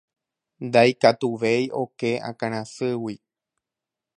Ndaikatuvéi oke akãrasýgui.